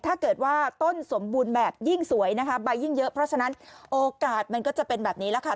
ถ้าเกิดว่าต้นสมบูรณ์แบบยิ่งสวยนะคะใบยิ่งเยอะเพราะฉะนั้นโอกาสมันก็จะเป็นแบบนี้แหละค่ะ